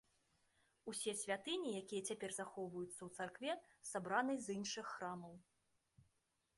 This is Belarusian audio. Усе святыні, якія цяпер захоўваюцца ў царкве, сабраны з іншых храмаў.